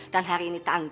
dan hari ini tanggal